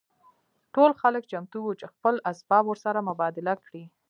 ټول خلک چمتو وو چې خپل اسباب ورسره مبادله کړي